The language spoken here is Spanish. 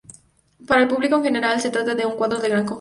Para el público en general se trata de un cuadro de gran confusión.